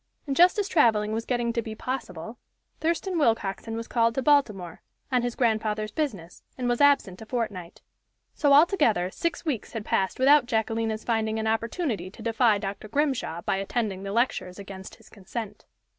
And just as traveling was getting to be possible, Thurston Willcoxen was called to Baltimore, on his grandfather's business, and was absent a fortnight. So, altogether, six weeks had passed without Jacquelina's finding an opportunity to defy Dr. Grimshaw by attending the lectures against his consent.